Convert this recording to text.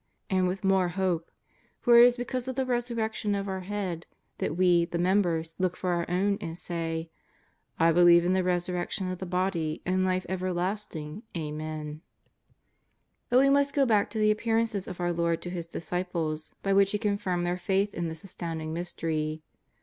And with more hope. For it is because of the Resurrection of our Head that we, the members, look for our own and say :" I believe in the Resurrection of the body and life everlastinsr. Amen." '21 392 JESUS OF NAZARETH. But we must go back to the Appearances of our Lord to His disciples, bj which He confirmed their faith in this astounding Mystery.